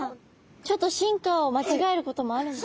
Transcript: ちょっと進化を間違えることもあるんだ。